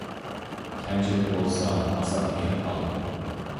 كەمچىلىكى بولسا : ئاسان ھېرىپ قالىدۇ.